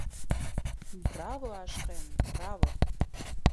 - Բռա՜վո, Աշխե՛ն, բռա՜վո: